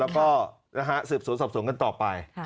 แล้วก็สืบสวนสอบสวนกันต่อไป